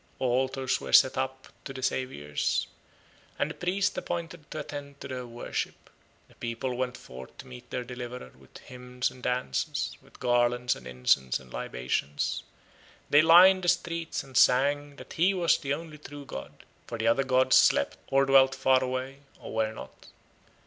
Altars were set up to the Saviours, and a priest appointed to attend to their worship. The people went forth to meet their deliverer with hymns and dances, with garlands and incense and libations; they lined the streets and sang that he was the only true god, for the other gods slept, or dwelt far away, or were not.